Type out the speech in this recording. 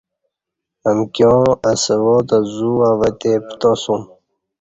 امکیاں اہ سوا تہ ذو اوہ تی پتاسوم